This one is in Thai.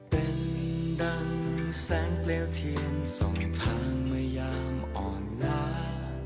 เป็นดังแสงเปลวเทียนสองทางมายามอ่อนล้า